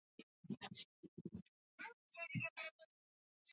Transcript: Kiswahili ni lugha ya taifa ya Tanzania